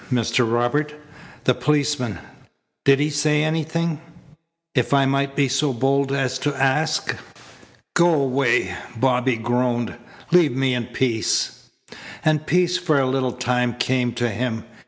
Mr. Robert! The policeman? Did he say anything, if I might make so bold as to ask?" "Go away," Bobby groaned. "Leave me in peace." And peace for a little time came to him.